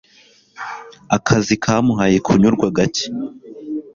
Akazi kamuhaye kunyurwa gake